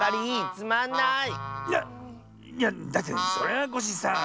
いやいやだってそれはコッシーさあ。